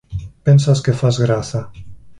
Pensas que fas graza.